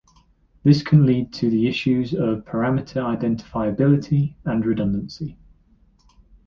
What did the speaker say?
This can lead to the issues of parameter identifiability and redundancy.